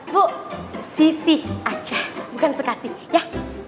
bu sissy aja bukan sikasi ya